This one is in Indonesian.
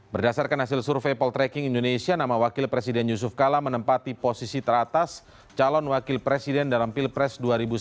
berdasarkan hasil survei poltreking indonesia nama wakil presiden yusuf kala menempati posisi teratas calon wakil presiden dalam pilpres dua ribu sembilan belas